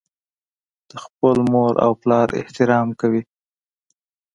د خپل مور او پلار احترام کوي.